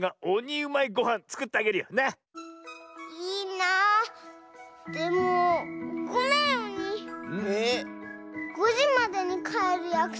いいなあ。